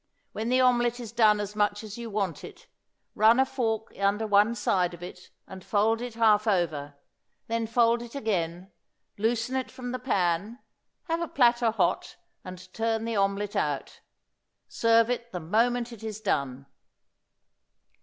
When the omelette is done as much as you want it run a fork under one side of it and fold it half over, then fold it again; loosen it from the pan; have a platter hot, and turn the omelette out. Serve it the moment it is done.